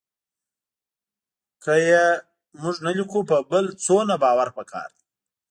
که یې موږ نه لیکو په بل څومره باور پکار دی